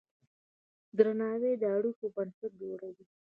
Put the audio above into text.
درناوی د اړیکو بنسټ جوړوي.